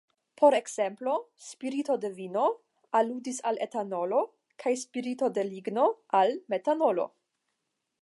Por ekzemplo "spirito de vino" aludis al etanolo, kaj "spirito de ligno" al metanolo.